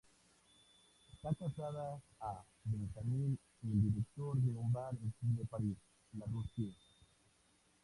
Está casada a Benjamin, el director de un bar de París, "Le Rosie".